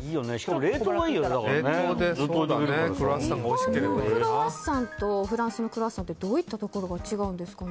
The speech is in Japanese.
日本のクロワッサンとフランスのクロワッサンってどういったところが違うんですか。